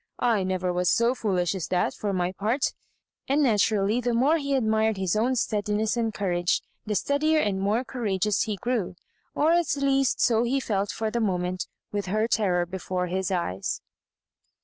" I never was so foolish as that, for my part j'* and naturally the more he admired his own steadiness and courage, the steadier and more courageous he grew— or at least so he felt for the moment, with her terror before his eyes.